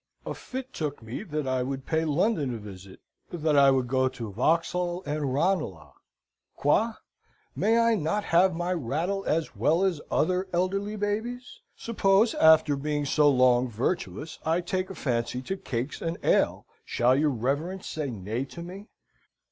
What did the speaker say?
A fit took me that I would pay London a visit, that I would go to Vauxhall and Ranelagh. Quoi! May I not have my rattle as well as other elderly babies? Suppose, after being so long virtuous, I take a fancy to cakes and ale, shall your reverence say nay to me?